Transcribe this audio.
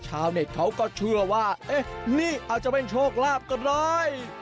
ชาวเน็ตเขาก็เชื่อว่าเอ๊ะนี่อาจจะเป็นโชคลาภก็ได้